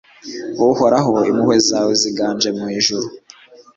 Uhoraho impuhwe zawe ziganje mu ijuru